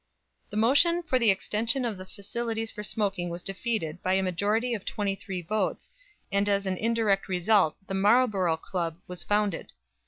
'" The motion for the extension of the facilities for smoking was defeated by a majority of twenty three votes, and as an indirect result the Marlborough Club was founded.